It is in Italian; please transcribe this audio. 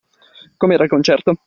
Com'era il concerto?